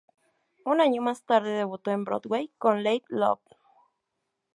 Un año más tarde debutó en Broadway con "Late Love".